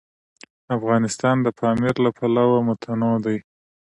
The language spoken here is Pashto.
افغانستان د پامیر له پلوه متنوع دی.